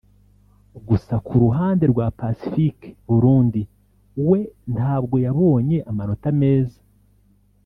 gusa ku ruhande rwa Pacifique (Burundi) we ntabwo yabonye amanota meza